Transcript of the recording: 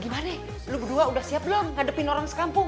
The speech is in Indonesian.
gimana lu berdua udah siap belum ngadepin orang sekampung